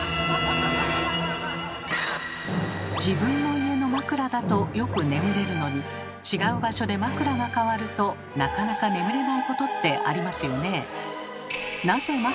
自分の家の枕だとよく眠れるのに違う場所で枕がかわるとなかなか眠れないことってありますよね。